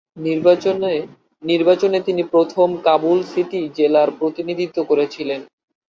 নির্বাচনে তিনি প্রথম কাবুল সিটি জেলার প্রতিনিধিত্ব করেছিলেন।